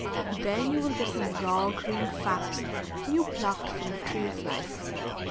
Then you will get some raw, green facts new plucked from the tree of life.